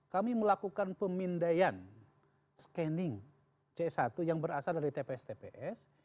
kami melakukan pemindaian scanning c satu yang berasal dari tps tps